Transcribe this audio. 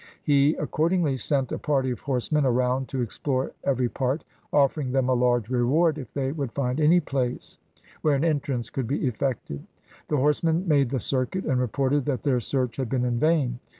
He accordingly sent a party of horsemen around to explore every part, offering them a large reward if they would find any place where an entrance could be effected. The horsemen made the circuit, and reported that their search had been in vain.